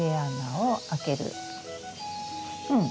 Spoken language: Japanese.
うん。